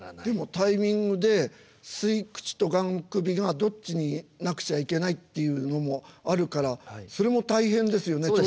でもタイミングで吸い口とがん首がどっちになくちゃいけないっていうのもあるからそれも大変ですよね